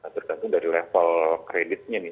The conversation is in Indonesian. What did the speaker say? tergantung dari level kreditnya nih